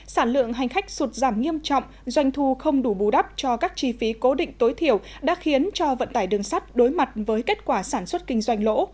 sản lượng hành khách sụt giảm nghiêm trọng doanh thu không đủ bù đắp cho các chi phí cố định tối thiểu đã khiến cho vận tải đường sắt đối mặt với kết quả sản xuất kinh doanh lỗ